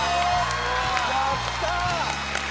やった！